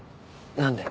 何で？